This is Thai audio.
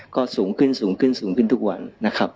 ก็สูงขึ้นทุกวันนะครับ